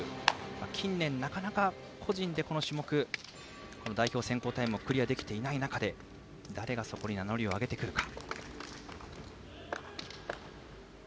近年、なかなか個人でこの種目この代表選考タイムをクリアできてない中で誰がそこに名乗りを挙げてくるか。